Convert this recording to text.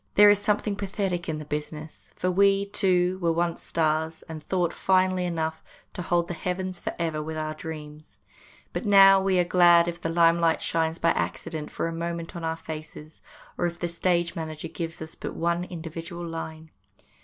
There is something pathetic in the business ; for we, too, were once stars, and thought, finely enough, to hold the heavens for ever with our dreams. But now we are glad if the limelight shines by accident for a moment on our faces, or if the stage manager gives us but one individual line.